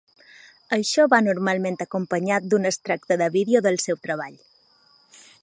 Això va normalment acompanyat d'un extracte de vídeo del seu treball.